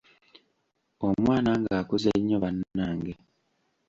Omwana ng'akuze nnyo bannange.